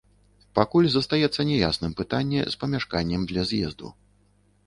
Пакуль застаецца няясным пытанне з памяшканнем для з'езду.